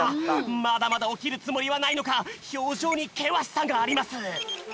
まだまだおきるつもりはないのかひょうじょうにけわしさがあります。